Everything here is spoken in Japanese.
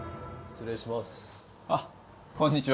失礼します。